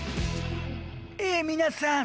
え皆さん